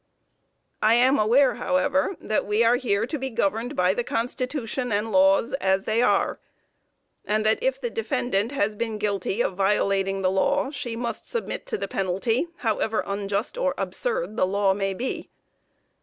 I am aware, however, that we are here to be governed by the Constitution and laws as they are, and that if the defendant has been guilty of violating the law, she must submit to the penalty, however unjust or absurd the law may be.